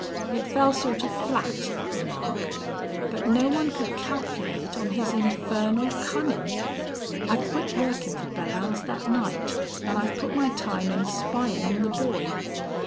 It fell sort of flat, that remark. But no one could calculate on his infernal cunnin'. I quit workin' for Belllounds that night, an' I've put my time in spyin' on the boy.